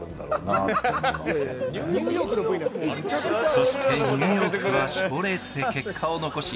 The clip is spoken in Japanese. そしてニューヨークは賞レースで結果を残し